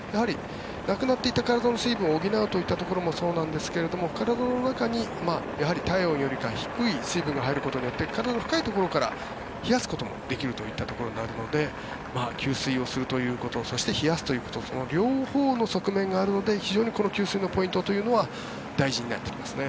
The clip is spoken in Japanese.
なくなっていた体の水分を補うというところもそうなんですが体の中に体温よりかは低い水分が入ることによって体の深いところから冷やすこともできるといったところなので給水をするということそして冷やすということその両方の側面があるので非常に給水のポイントは大事になってきますね。